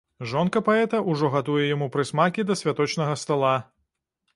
Жонка паэта ўжо гатуе яму прысмакі да святочнага стала.